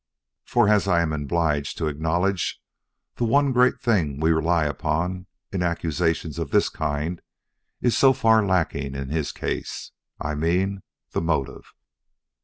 For, as I am obliged to acknowledge, the one great thing we rely upon, in accusations of this kind, is so far lacking in his case: I mean, the motive.